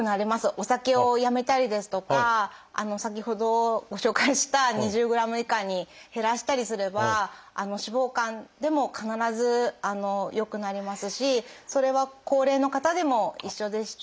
お酒をやめたりですとか先ほどご紹介した２０ｇ以下に減らしたりすれば脂肪肝でも必ず良くなりますしそれは高齢の方でも一緒でして。